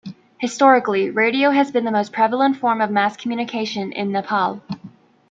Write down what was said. Historically, radio has been the most prevalent form of mass communication in Nepal.